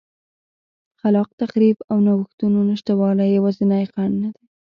خلاق تخریب او نوښتونو نشتوالی یوازینی خنډ نه دی.